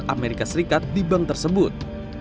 amerika serikat di bank tersebut